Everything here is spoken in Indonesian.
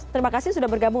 terima kasih sudah bergabung